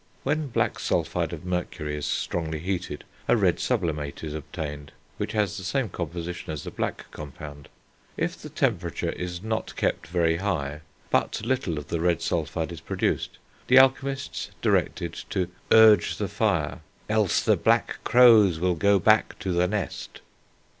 When black sulphide of mercury is strongly heated, a red sublimate is obtained, which has the same composition as the black compound; if the temperature is not kept very high, but little of the red sulphide is produced; the alchemists directed to urge the fire, "else the black crows will go back to the nest."